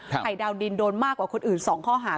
ไข่ดาวดินโดนมากกว่าคนอื่น๒ข้อหา